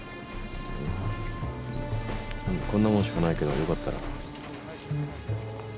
こんなもんしかないけど良かったら。